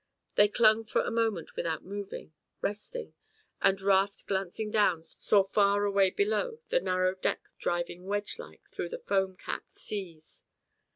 They clung for a moment without moving, resting, and Raft glancing down saw far away below the narrow deck driving wedge like through the foam capped seas.